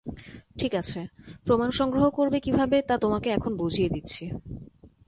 ঠিক আছে, প্রমাণ সংগ্রহ করবে কীভাবে তা তোমাকে এখন বুঝিয়ে দিচ্ছি।